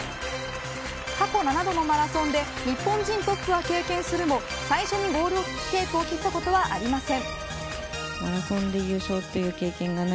過去７度のマラソンで日本人トップは経験するも最初にゴールテープを切ったことはありません。